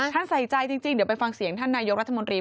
ใส่ใจจริงเดี๋ยวไปฟังเสียงท่านนายกรัฐมนตรี